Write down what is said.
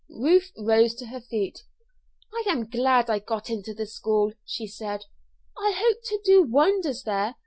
Ruth rose to her feet. "I am glad I got into the school," she said. "I hope to do wonders there.